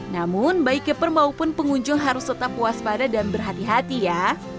namun baik keeper maupun pengunjung harus tetap puas pada dan berhati hati ya